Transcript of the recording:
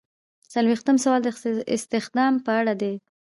څلویښتم سوال د استخدام په اړه دی.